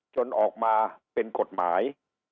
จนออกมาเป็นกฎหมาย